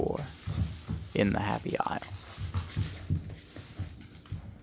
XXIV. IN THE HAPPY ISLES.